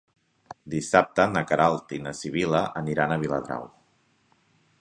Dissabte na Queralt i na Sibil·la aniran a Viladrau.